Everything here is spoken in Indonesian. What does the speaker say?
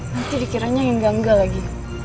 nanti dikiranya yang ganggal lagi